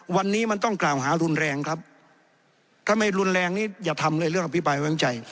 วันนี้มันต้องกล่าวหารุนแรงครับถ้าไม่รุนแรงนี่อย่าทำเลยเรื่องอภิบายแว้งใจ